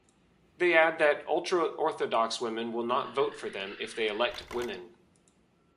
They add that ultra-Orthodox women will not vote for them if they elect women.